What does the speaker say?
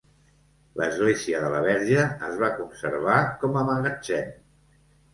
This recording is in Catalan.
L'Església de la Verge es va conservar com a magatzem.